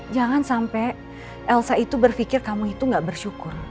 jangan sampai elsa itu berpikir kamu itu gak bersyukur